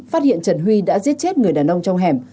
phát hiện trần huy đã giết chết người đàn ông trong hẻm